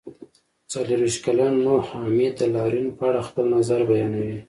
څلرویشت کلن نوحه حامد د لاریون په اړه خپل نظر بیانوي.